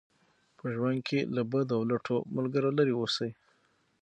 په ژوند کې له بدو او لټو ملګرو لرې اوسئ.